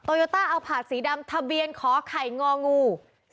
โยต้าเอาผาดสีดำทะเบียนขอไข่งองู